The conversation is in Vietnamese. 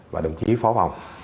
và đồng chí phó phòng